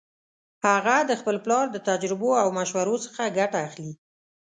هغه د خپل پلار د تجربو او مشورو څخه ګټه اخلي